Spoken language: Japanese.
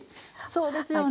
そうですよね。